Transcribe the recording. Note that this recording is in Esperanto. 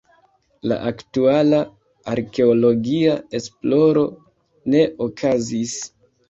La aktuala arkeologia esploro ne okazis.